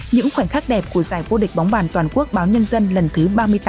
những khoảnh khắc đẹp của giải vô địch bóng bàn toàn quốc báo nhân dân lần thứ ba mươi tám